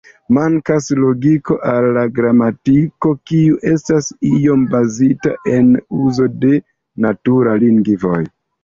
Mankas logiko al la gramatiko kiu estas iom bazita en uzo de naturaj lingvoj.